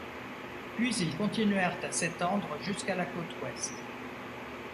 Puis ils continuèrent à s'étendre jusqu'à la côte ouest.